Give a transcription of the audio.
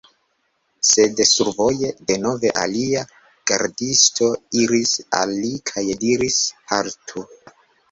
Sed survoje, denove alia gardisto iris al li kaj diris: "Haltu